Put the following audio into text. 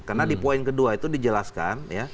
karena di poin kedua itu dijelaskan